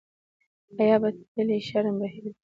حیا به تللې شرم به هېر وي.